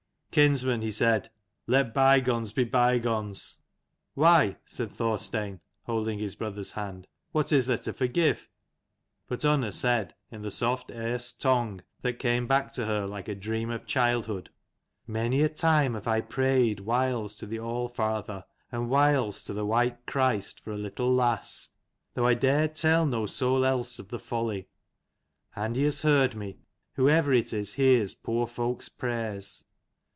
" Kinsman," he said " let bygones be bygones." "Why," said Thorstein, holding his brother's hand :" What is there to forgive ?" But Unna said, in the soft Erse tongue that came back to her like a dream of childhood, " Many a time have I prayed, whiles to the Allfather, and whiles to the White Christ, for a little lass, though I dared tell no soul else of the folly. And he has heard me, whoever it is hears poor folk's prayers.